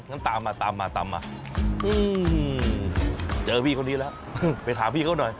งั้นตามมาตามมาเจอพี่เขานี้แล้วไปถามพี่เขาหน่อย